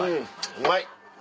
うまい！